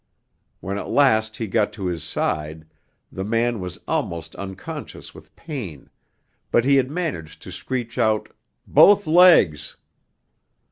When at last he got to his side, the man was almost unconscious with pain, but he had managed to screech out 'Both legs.'